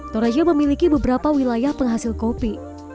toraja memiliki beberapa wilayah penghasil kopi